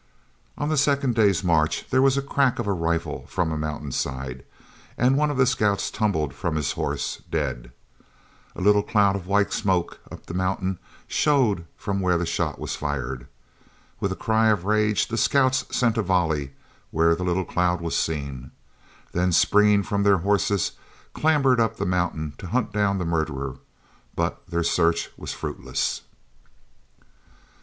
On the second day's march there was the crack of a rifle from a mountainside, and one of the scouts tumbled from his horse dead. A little cloud of smoke up the mountain showed from where the shot was fired. With a cry of rage the scouts sent a volley where the little cloud was seen, then springing from their horses, clambered up the mountain to hunt down the murderer; but their search was fruitless.